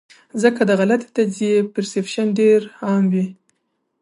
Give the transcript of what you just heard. ځکه د غلطې تجزئې پرسپشن ډېر عام وي -